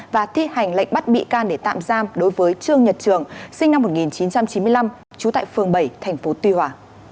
và thi hành lệnh bắt bị can để tạm giam đối với trương nhật trường sinh năm một nghìn chín trăm chín mươi năm trú tại phường bảy tp tuy hòa